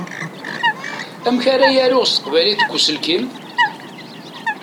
Amek ara yaruɣ s teqbaylit deg uselkim?